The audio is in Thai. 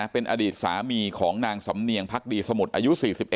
เป็นอดีตสามีของนางสำเนียงพักดีสมุทรอายุ๔๑